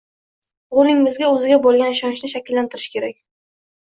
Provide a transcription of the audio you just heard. O‘g‘lingizda o‘ziga bo‘lgan ishonchni shakllantirish kerak.